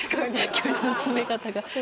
距離の詰め方が。